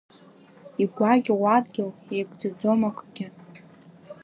Игәакьоу адгьыл еигӡаӡом акгьы…